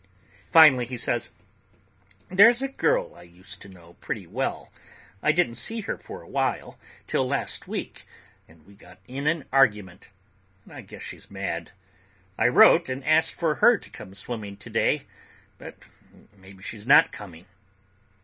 Finally he says, "There's a girl I used to know pretty well. I didn't see her for a while till last week, and we got in an argument, and I guess she's mad. I wrote and asked her to come swimming today, but maybe she's not coming."